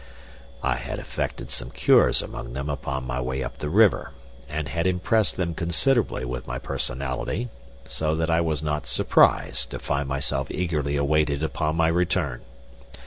I had effected some cures among them upon my way up the river, and had impressed them considerably with my personality, so that I was not surprised to find myself eagerly awaited upon my return.